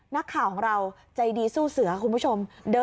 นักข่าวของเราใจดีสู้เสือคุณผู้ชม